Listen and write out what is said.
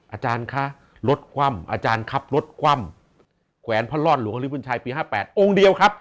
อาจารย์คะรถคว่ำอาจารย์ครับรถคว่ำแขวนพระรอดหลวงฮริบุญชัยปี๕๘องค์เดียวครับ